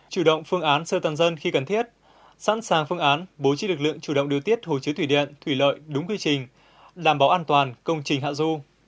chủ động phương án sơ tán dân khi cần thiết sẵn sàng phương án bố trí lực lượng chủ động điều tiết hồ chứa thủy điện thủy lợi đúng quy trình đảm bảo an toàn công trình hạ du